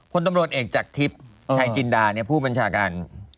พลตำรวจเอกจากทิพย์ชายจินดาผู้บัญชาการ